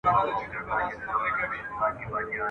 بیا په سراب کي جنتونه ښيي !.